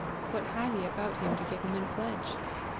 What had he about him to give him in pledge?